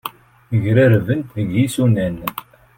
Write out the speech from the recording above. Grarbent deg yisunan.